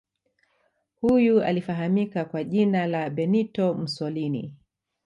Huyu alifahamika kwa jina la Benito Musolini